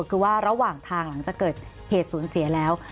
คือว่าระหว่างทางหลังจากเกิดเหตุศูนย์เสียแล้ว